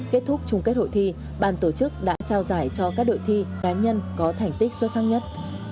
kết thúc chung kết hội thi bàn tổ chức đã trao giải cho các đội thi cá nhân có thành tích xuất sắc nhất